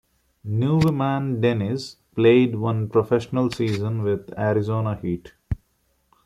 Nuveman-Deniz played one professional season with the Arizona Heat.